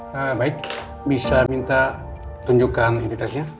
baik bisa minta tunjukkan identitasnya